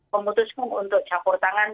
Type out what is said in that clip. memutuskan untuk capur tangan